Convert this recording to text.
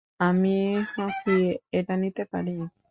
আমি কি এটা নিতে পারি?